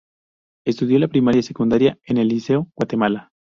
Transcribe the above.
Estudió la Primaria y Secundaria en el Liceo Guatemala.